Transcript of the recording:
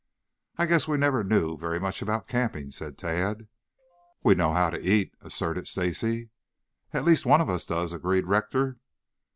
"I guess we never knew very much about camping," said Tad. "We know how to eat," asserted Stacy. "At least one of us does," agreed Rector.